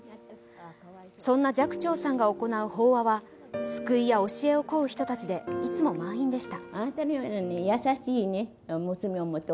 そんな寂聴さんが行う法話は救いや教えを請う人たちでいつも満員でした。